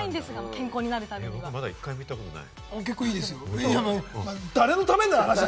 僕まだ１回も行ったことない。